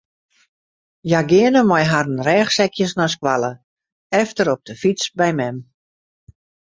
Hja geane mei harren rêchsekjes nei skoalle, efter op de fyts by mem.